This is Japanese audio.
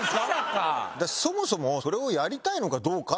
そもそもそれをやりたいのかどうかって。